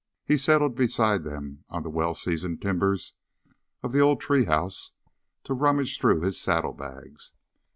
He settled beside them on the well seasoned timbers of the old tree house to rummage through his saddlebags.